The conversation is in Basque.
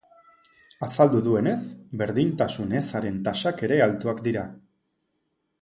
Azaldu duenez, berdintasun ezaren tasak ere altuak dira.